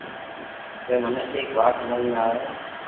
ڪي مني ايڪ وات ھمج ۾ آوي ھي